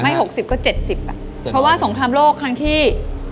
๖๐ก็๗๐อ่ะเพราะว่าสงครามโลกครั้งที่